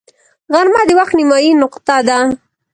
غرمه د وخت نیمايي نقطه ده